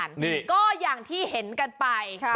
นี่ก็อย่างที่เห็นกันไป